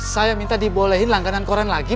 saya minta dibolehin langganan koran lagi